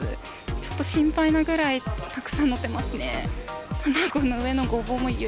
ちょっと心配なぐらいたくさん載ってますね。